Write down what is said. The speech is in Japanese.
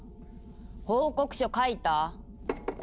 報告書書いた？